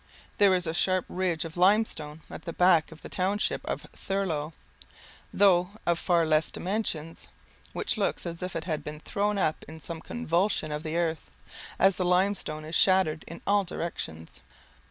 There is a sharp ridge of limestone at the back of the township of Thurlow, though of far less dimensions, which looks as if it had been thrown up in some convulsion of the earth, as the limestone is shattered in all directions.